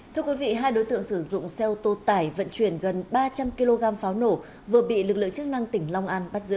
thưa quý vị hai đối tượng sử dụng xe ô tô tải vận chuyển gần ba trăm linh kg pháo nổ vừa bị lực lượng chức năng tỉnh long an bắt giữ